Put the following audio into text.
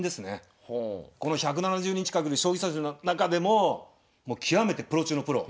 この１７０人近くの将棋指しの中でももう極めてプロ中のプロ。